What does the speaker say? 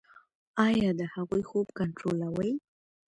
ایا د هغوی خوب کنټرولوئ؟